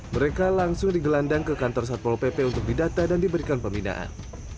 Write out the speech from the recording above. mereka langsung digelandang ke kantor satpol pp untuk didata dan diberikan pembinaan